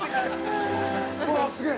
◆うわっ、すげえ！